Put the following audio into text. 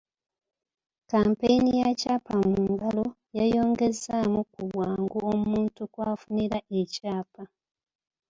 Kkampeyini ya ‘Kyapa mu Ngalo’ yayongezaamu ku bwangu omuntu kw’afunira ekyapa.